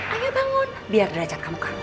ayo bangun biar derajat kamu kan